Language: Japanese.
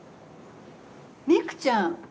ミクちゃん